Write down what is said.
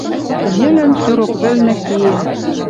Кӹньӹлӹн кӱ рок вӹлнӹ киэн.